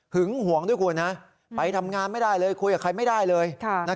ห่วงด้วยคุณไปทำงานไม่ได้เลยคุยกับใครไม่ได้เลย